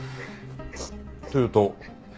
というと？